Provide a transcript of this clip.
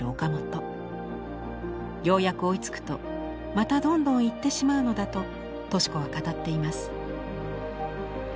ようやく追いつくとまたどんどん行ってしまうのだと敏子は語っています。